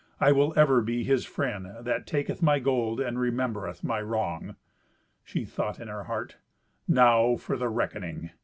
I will ever be his friend that taketh my gold and remembereth my wrong." She thought in her heart, "Now for the reckoning!